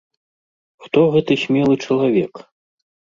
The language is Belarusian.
Хто гэты смелы чалавек?